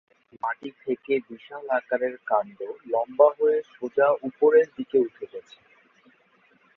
মাটি থেকে বিশাল আকারের কাণ্ড লম্বা হয়ে সোজা উপরের দিকে উঠে গেছে।